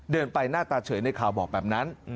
เดินไปหน้าตาเฉยในข่าวบอกแบบนั้น